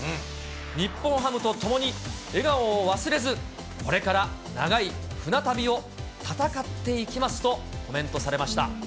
日本ハムと共に、笑顔を忘れず、これから長い船旅を戦っていきますとコメントされました。